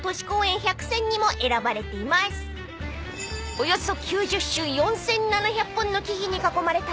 ［およそ９０種４，７００本の木々に囲まれた］